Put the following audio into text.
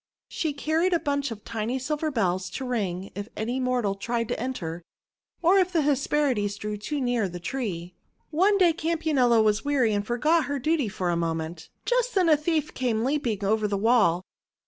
She carried a bunch of tiny silver bells to ring if any mortal tried to enter, or if the Hesperides drew too near the tree. One day Campanula was weary and forgot her duty for a moment. Just then a thief came leap ing over the wall.